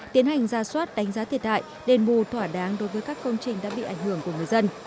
tiến hành ra soát đánh giá thiệt hại đền bù thỏa đáng đối với các công trình đã bị ảnh hưởng của người dân